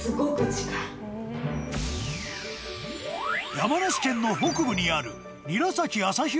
［山梨県の北部にある］